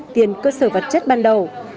tiền cơ sở vật chất ban đầu